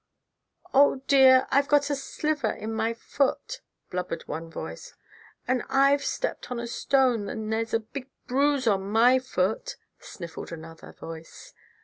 "Oh, dear, I've got a sliver in my foot!" blubbered one voice. "And I've stepped on a stone and there's a big bruise on my foot!" sniffled another voice.